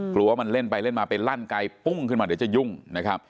กลัวว่ามันเล่นไปเล่นมาไปลั่นไกลปุ้งขึ้นมาเดี๋ยวจะยุ่งนะครับ